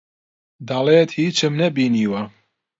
دەڵێت هیچم نەبینیوە.